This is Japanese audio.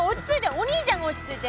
お兄ちゃんが落ち着いて！